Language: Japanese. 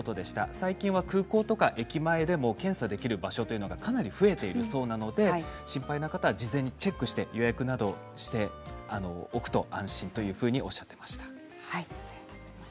最近は空港や駅前でも検査できる場所がかなり増えているそうなので心配な方は事前にチェックして予約などをしておくと安心とおっしゃっていました。